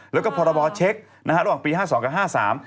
แล้วก็พอระบอเช็คระหว่างปี๕๒กับ๕๓